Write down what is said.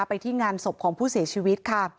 ไปที่งานศพของผู้เสียชีวิตค่ะ